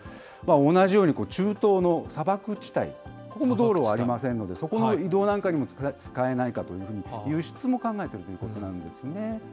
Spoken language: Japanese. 同じように中東の砂漠地帯、ここも道路はありませんので、そこの移動なんかにも使えないかというふうに、輸出も考えているんですね。